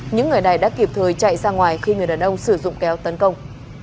những người này đã kịp thời chạy ra ngoài khi người đàn ông sử dụng kéo tấn công